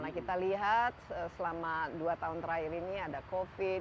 nah kita lihat selama dua tahun terakhir ini ada covid